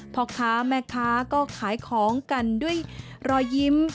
พ่อค้าแม่ค้าก็ขายของกันด้วยรอยยิ้ม